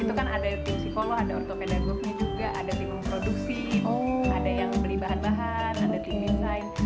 itu kan ada tim psikolog ada ortopedagoknya juga ada tim yang produksi ada yang beli bahan bahan ada tim desain